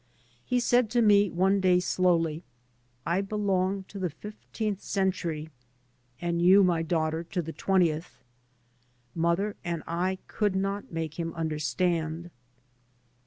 He said to me one day slowly, " I belong to the fifteenth cen tury — and you, my daughter, to the twen tieth." Mother and I could' not make him understand.